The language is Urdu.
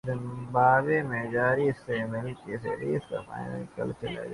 زمبابوے میں جاری سہ ملکی سیریز کا فائنل کل کھیلا جائے گا